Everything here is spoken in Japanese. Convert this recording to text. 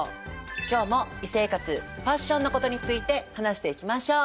今日も衣生活ファッションのことについて話していきましょう。